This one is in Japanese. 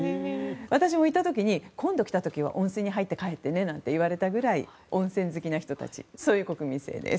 私も行った時今度来た時は温泉に入って帰ってねと言われたくらい温泉好きな人たちそういう国民性です。